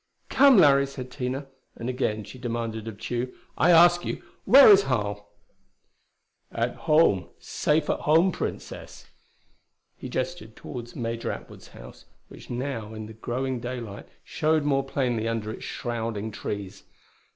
"Come, Larry," said Tina. And again she demanded of Tugh, "I ask you, where is Harl?" "At home. Safe at home, Princess." He gestured toward Major Atwood's house, which now in the growing daylight showed more plainly under its shrouding trees.